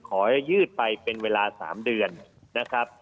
ขอยืดไปเป็นเวลา๓เดือนนะครับ